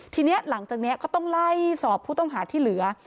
ทีนี้หลังจากนี้ก็ต้องไล่สอบผู้ต้องหาที่เหลือ